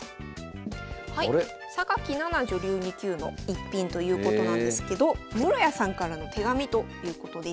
はい菜吟女流２級の逸品ということなんですけど室谷さんからの手紙ということです。